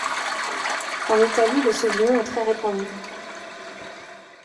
En Italie, le sauvignon est très répandu.